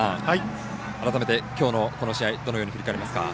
改めて、きょうのこの試合どのように振り返りますか？